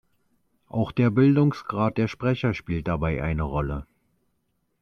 Auch der Bildungsgrad der Sprecher spielt dabei eine Rolle.